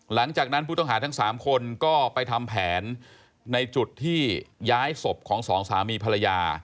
หลังจากนั้นผู้ต้องหาทั้ง๓คนก็ไปทำแผนในจุดที่ย้ายศพของสองสามีภรรยา